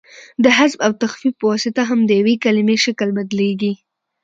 د حذف او تخفیف په واسطه هم د یوې کلیمې شکل بدلیږي.